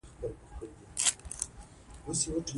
ښتې د افغان ماشومانو د زده کړې موضوع ده.